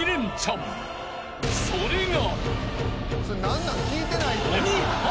［それが］